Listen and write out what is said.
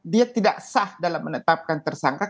dia tidak sah dalam menetapkan tersangka